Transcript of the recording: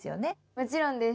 もちろんです。